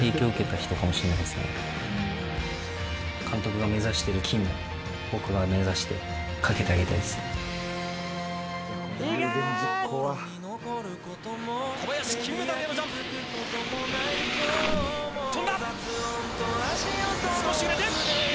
監督が目指している金を僕が目指してかけてあげたいですね。